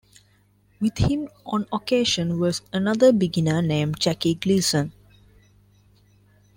With him on occasion was another beginner named Jackie Gleason.